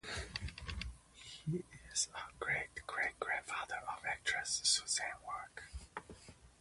He is the great-great grandfather of actress Susannah York.